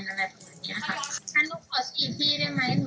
ไม่เอาไปหลอกแฟนแล้วหนูจะขอไปกินได้ไหม